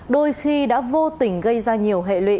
đôi khi đã vô tình gây ra nhiều hệ lụy